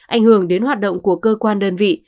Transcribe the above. ảnh hưởng đến hoạt động của cơ quan đơn vị